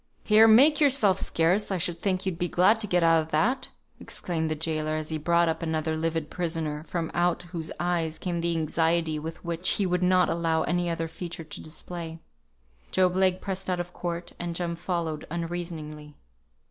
"Here! make yourself scarce! I should think you'd be glad to get out of that!" exclaimed the gaoler, as he brought up another livid prisoner, from out whose eyes came the anxiety which he would not allow any other feature to display. Job Legh pressed out of court, and Jem followed unreasoningly.